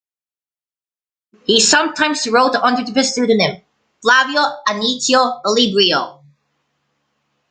He sometimes wrote under the pseudonym Flavio Anicio Olibrio.